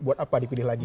buat apa dipilih lagi